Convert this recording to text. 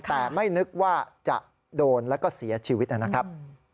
แต่ไม่นึกว่าจะโดนแล้วก็เสียชีวิตนะครับ